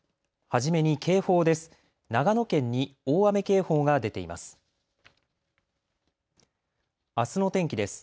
初めに警報です。